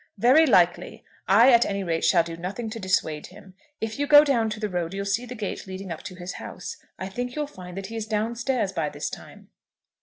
"Very likely. I, at any rate, shall do nothing to dissuade him. If you go down to the road you'll see the gate leading up to his house. I think you'll find that he is down stairs by this time."